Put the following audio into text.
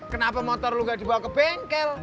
kenapa motor lu gak dibawa ke bengkel